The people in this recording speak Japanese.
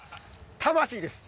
魂です！